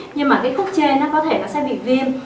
nhưng mà cái cút chê nó có thể nó sẽ bị viêm